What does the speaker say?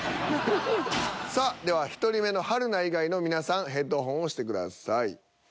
さあでは１人目の春菜以外の皆さんヘッドホンをしてください。